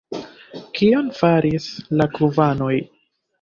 Kion faris la kubanoj?